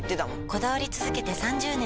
こだわり続けて３０年！